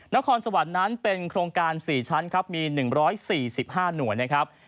นครสวรรค์นั้นเป็นโครงการ๔ชั้นครับมี๑๔๕หน่วยนะครับ